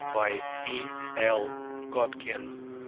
BY E.L. GODKIN.